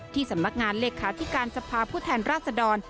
สำนักงานเลขาธิการสภาพผู้แทนราชดร